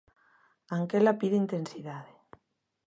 Anquela pide intensidade.